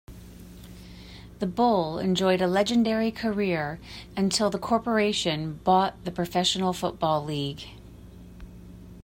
The Bull enjoyed a legendary career until the Corporation bought the professional football league.